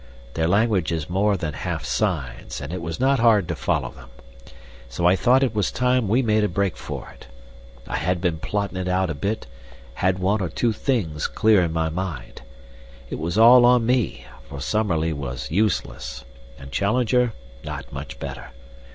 Their language is more than half signs, and it was not hard to follow them. So I thought it was time we made a break for it. I had been plottin' it out a bit, and had one or two things clear in my mind. It was all on me, for Summerlee was useless and Challenger not much better.